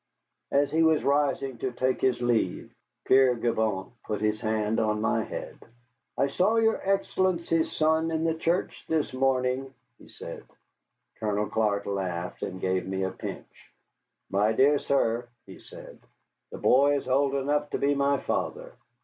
As he was rising to take his leave, Père Gibault put his hand on my head. "I saw your Excellency's son in the church this morning," he said. Colonel Clark laughed and gave me a pinch. "My dear sir," he said, "the boy is old enough to be my father."